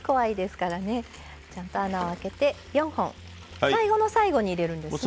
ちゃんと穴をあけて４本最後の最後に入れるんですね。